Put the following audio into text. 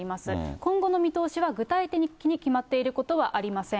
今後の見通しは、具体的に決まっていることはありません。